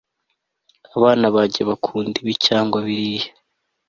abana banjye bakunda ibi cyangwa biriya